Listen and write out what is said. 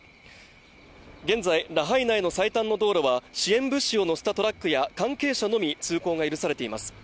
現在、ラハイナへの最短の道路は支援物資を乗せたトラックや関係者のみ通行が許されています。